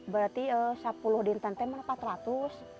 berarti sepuluh menurutmu